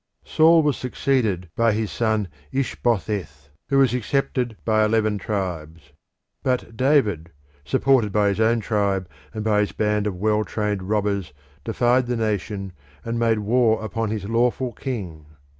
Saul was succeeded by his son Ishbosheth, who was accepted by eleven tribes. But David, supported by his own tribe and by his band of well trained robbers, defied the nation and made war upon his lawful king.